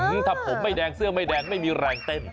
ถ้าผมไม่แดงเสื้อไม่แดงไม่มีแรงเต้น